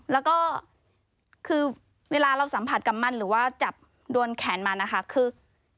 แล้วก็คือเวลาเราสัมผัสกับมันหรือว่าจับโดนแขนมันนะคะคือ